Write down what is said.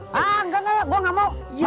hah enggak enggak gua enggak mau